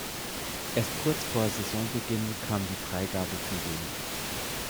Erst kurz vor Saisonbeginn kam die Freigabe für Jung.